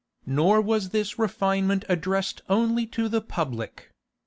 Nor was this refinement addressed only to the public.